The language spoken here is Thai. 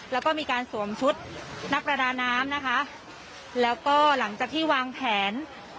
แล้วก็มีการสวมชุดนักประดาน้ำนะคะแล้วก็หลังจากที่วางแผน